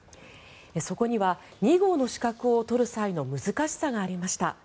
そこには２号の資格を取る際の難しさがありました。